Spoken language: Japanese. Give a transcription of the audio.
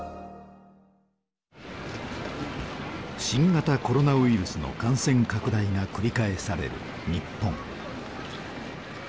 新型コロナウイルスの感染拡大が繰り返される日本。